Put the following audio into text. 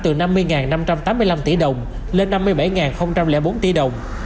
từ năm mươi năm trăm tám mươi năm tỷ đồng lên năm mươi bảy bốn tỷ đồng